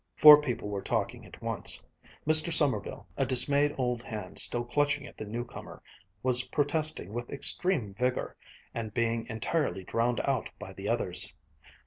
Four people were talking at once; Mr. Sommerville, a dismayed old hand still clutching at the new comer, was protesting with extreme vigor, and being entirely drowned out by the others.